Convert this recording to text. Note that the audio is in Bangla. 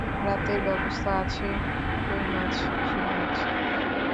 রাতের ব্যবস্থা আছে কইমাছ, শিংমাছ।